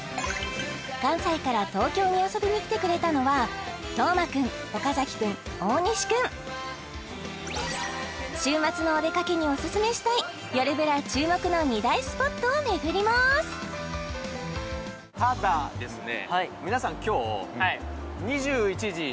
関西から東京に遊びに来てくれたのは當間くん岡くん大西くん週末のお出かけにおすすめしたいよるブラ注目の２大スポットをめぐりますただですね